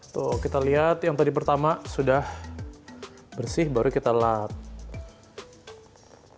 tuh kita lihat yang tadi pertama sudah bersih baru kita lap